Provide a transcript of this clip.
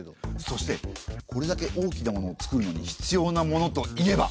そしてこれだけ大きなものを作るのに必要なものといえば？